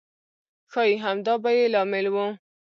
ښایي همدا به یې لامل و.